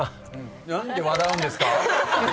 何で笑うんですか？